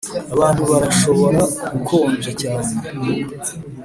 abantu barashobora gukonja cyane